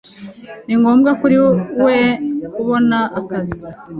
Ni ngombwa kuri we kubona akazi.